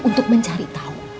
untuk mencari tahu